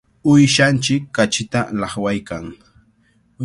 Uyshanchik kachita llaqwaykan.